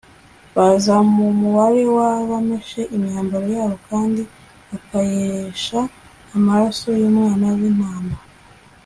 bazaba mu mubare w’abameshe imyambaro yabo kandi bakayeresha amaraso y’umwana w’intama